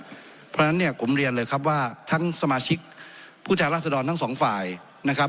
เพราะฉะนั้นเนี่ยผมเรียนเลยครับว่าทั้งสมาชิกผู้แทนราษฎรทั้งสองฝ่ายนะครับ